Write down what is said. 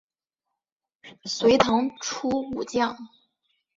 隋唐初武将。